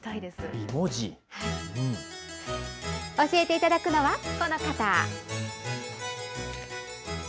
教えていただくのはこの方。